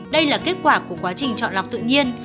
đây là kết quả của quá trình chọn lọc tự nhiên